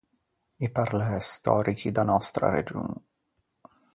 I parlæ stòrichi da nòstra region.